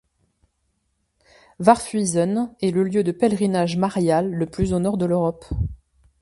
Warfhuizen est le lieu de pèlerinage marial le plus au nord de l'Europe.